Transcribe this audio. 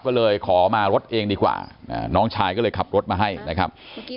ก็เลยขอมารถเองดีกว่าน้องชายก็เลยขับรถมาให้นะครับ